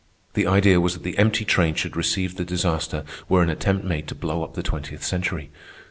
The idea was that the empty train should receive the disaster were an attempt made to blow up the Twentieth Century.